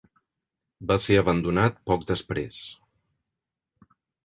Va ser abandonat poc després.